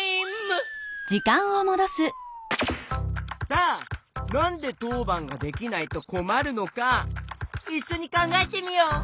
さあなんでとうばんができないとこまるのかいっしょにかんがえてみよう！